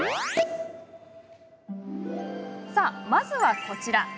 さあ、まずはこちら。